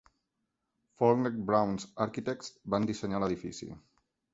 FaulknerBrowns Architects van dissenyar l'edifici.